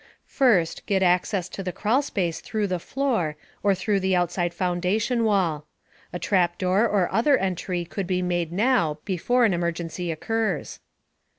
First, get access to the crawl space through the floor or through the outside foundation wall. (A trapdoor or other entry could be made now, before an emergency occurs.)